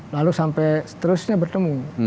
lalu sampai seterusnya bertemu